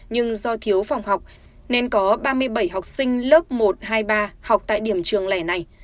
nhưng do thiếu phòng học nên có ba mươi bảy học sinh lớp một hai mươi ba học tại điểm trường lẻ này